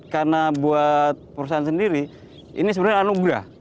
karena buat perusahaan sendiri ini sebenarnya anugerah